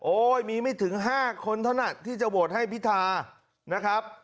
มีไม่ถึง๕คนเท่านั้นที่จะโหวตให้พิธานะครับ